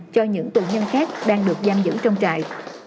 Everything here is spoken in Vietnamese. cho những tù nhân khác đang được giam giữ trong trại